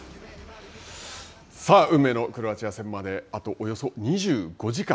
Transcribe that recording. さあ運命のクロアチア戦まで、あとおよそ２５時間。